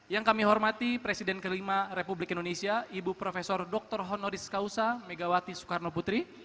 yang kami hormati presiden kelima republik indonesia ibu prof dr honoris causa megawati soekarno putri